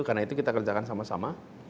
karena itu kita kerjakan sama sama